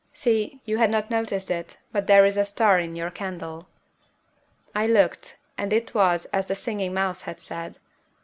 See, you had not noticed it, but there is a star in your candle." I looked, and it was as the Singing Mouse had said.